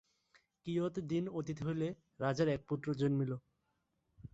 কিয়ৎ দিন অতীত হইলে রাজার এক পুত্র জন্মিল।